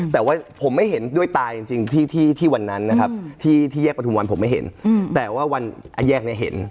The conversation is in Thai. แต่ว่าผมไม่เห็นด้วยตาจริงที่วันนั้นนะครับที่แยกประทุมวันผมไม่เห็นแต่ว่าวันแยกเนี่ยเห็น